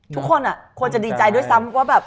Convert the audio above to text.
ทุกคนควรดิจัยด้วยซ้ำ